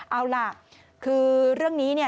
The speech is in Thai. เอาล่ะคือเรื่องนี้เนี่ย